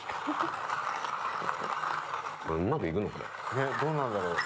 ねえどうなんだろう？